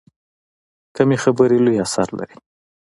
کمې خبرې، لوی اثر لري.